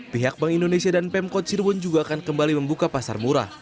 pihak bank indonesia dan pemkot cirebon juga akan kembali membuka pasar murah